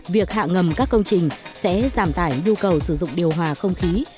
việc hạ ngầm các công trình sẽ giảm tải nhu cầu sử dụng điều hòa không khí